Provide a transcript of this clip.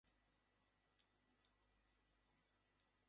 কিন্তু অবরোধের কারণে সরবরাহ বন্ধ থাকায় মাছের দাম তিন গুণ কমে গেছে।